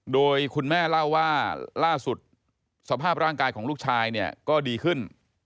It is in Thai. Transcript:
โดยคุณแม่เล่าว่าล่าสุดสภาพร่างกายของลูกชายเนี่ยก็ดีขึ้น